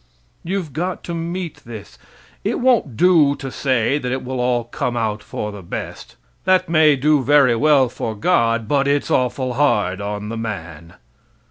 You've got to meet this; it won't do to say that it will all come out for the best. That may do very well for God, but it's awful hard on the man.